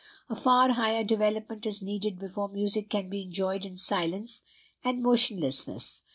A far higher development is needful before music can be enjoyed in silence and motionlessness.